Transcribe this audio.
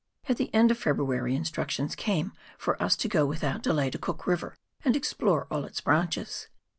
At the end of February instructions came for us to go with out delay to Cook River, and explore all its branches.